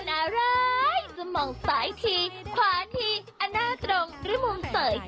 อะไรจะมองซ้ายทีขวาทีอันหน้าตรงหรือมุมเสย